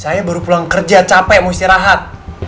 saya baru pulang kerja capek mau istirahat